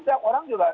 setiap orang juga